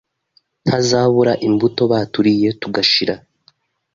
ntazabura imbuto baturiye tugashira.